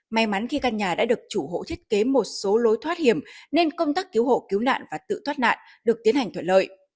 may mắn khi căn nhà đã được chủ hộ thiết kế một số lối thoát hiểm nên công tác cứu hộ cứu nạn và tự thoát nạn được tiến hành thuận lợi